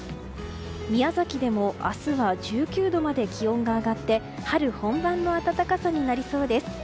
宮崎でも明日は１９度まで気温が上がって春本番の暖かさになりそうです。